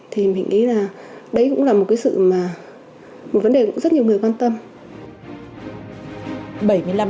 thì mình nghĩ là đấy cũng là một vấn đề rất nhiều người quan tâm